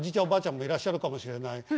おばあちゃんもいらっしゃるかもしれない。